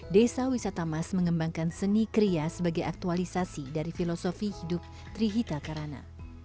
desa wisata mas mengembangkan seni kriya sebagai aktualisasi dari filosofi hidup trihita karana